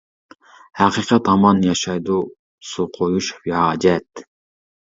ھەقىقەت ھامان ياشايدۇ، سۇ قۇيۇش بىھاجەت.